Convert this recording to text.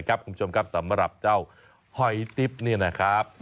คุณผู้ชมครับสำหรับหอยจิบ